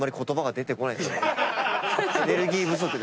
エネルギー不足で。